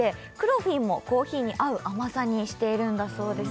クロフィンもコーヒーに合う甘さにしているんだそうです